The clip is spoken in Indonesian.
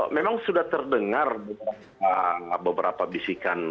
memang sudah terdengar beberapa bisikan